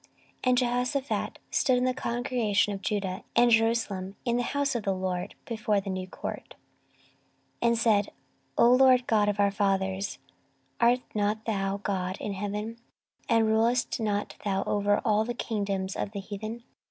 14:020:005 And Jehoshaphat stood in the congregation of Judah and Jerusalem, in the house of the LORD, before the new court, 14:020:006 And said, O LORD God of our fathers, art not thou God in heaven? and rulest not thou over all the kingdoms of the heathen?